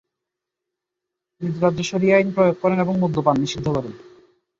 নিজ রাজ্যে শরিয়া আইন প্রয়োগ করেন এবং মদ্যপান নিষিদ্ধ করেন।